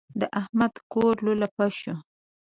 د احمد کور لولپه شو.